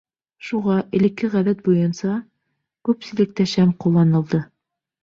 Шуға, элекке ғәҙәт буйынса, күпселектә шәм ҡулланылды.